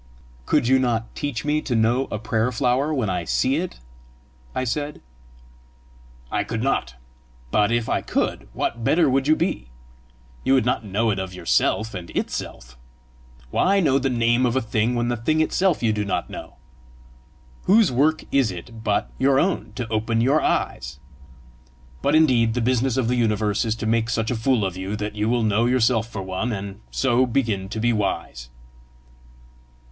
"Could you not teach me to know a prayer flower when I see it?" I said. "I could not. But if I could, what better would you be? you would not know it of YOURSELF and ITself! Why know the name of a thing when the thing itself you do not know? Whose work is it but your own to open your eyes? But indeed the business of the universe is to make such a fool of you that you will know yourself for one, and so begin to be wise!"